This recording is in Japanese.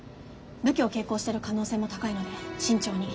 武器を携行してる可能性も高いので慎重に。